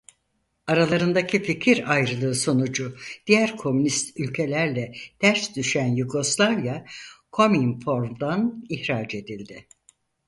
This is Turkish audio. Aralarındaki fikir ayrılığı sonucu diğer komünist ülkelerle ters düşen Yugoslavya Kominform'dan ihraç edildi.